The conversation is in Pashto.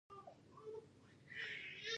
پامیر د افغان ځوانانو د هیلو استازیتوب کوي.